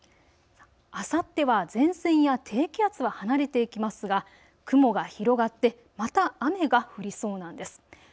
あさっては前線や低気圧は離れていきますが雲が広がってまた雨が降りそうなんです。